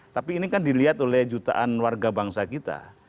tapi ini kan dilihat oleh jutaan warga bangsa kita